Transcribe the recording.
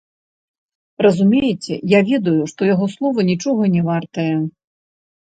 Разумееце, я ведаю, што яго слова нічога не вартае.